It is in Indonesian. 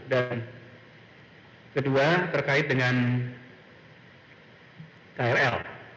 kedua terkait dengan krl